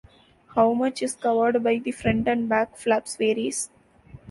How much is covered by the front and back flaps varies.